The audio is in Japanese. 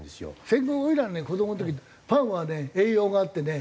戦後おいらのね子どもの時パンはね栄養があってね